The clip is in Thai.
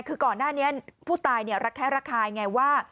คือก่อนหน้านี้ผู้ตายระแคะระคายไงว่า